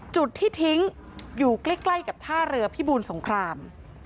จุดที่ทิ้งอยู่ใกล้กับท่าเรือพิบูลสงคราม